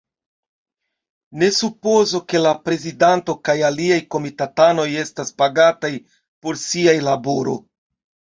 Ne supozu, ke la prezidanto kaj aliaj komitatanoj estas pagataj por sia laboro!